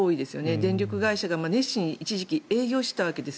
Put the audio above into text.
電力会社が熱心に一時期営業していたわけです。